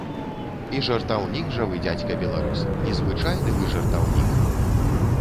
І жартаўнік жа вы, дзядзька беларус, незвычайны вы жартаўнік!